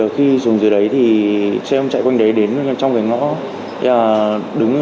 khi xuống dưới đấy thì xe hồn chạy quanh đấy đến trong cái ngõ